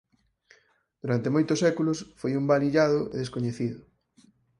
Durante moitos séculos foi un val illado e descoñecido.